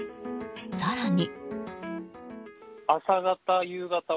更に。